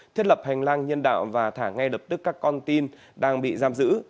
thiết lập hành lang nhân đạo và thả ngay lập tức các con tin đang bị giam giữ